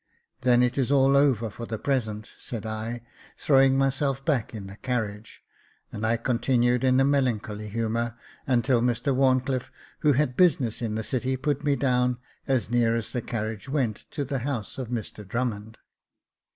" Then it is all over for the present," said I, throw ing myself back in the carriage ; and I continued in a melancholy humour until Mr Wharncliffe, who had busi ness in the City, put me down as near as the carriage went to the house of Mr Drummond.